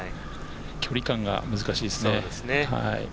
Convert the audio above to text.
距離感が難しいですね。